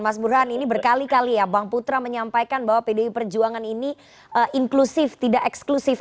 mas burhan ini berkali kali ya bang putra menyampaikan bahwa pdi perjuangan ini inklusif tidak eksklusif